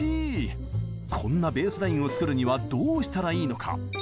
こんなベースラインを作るにはどうしたらいいのか。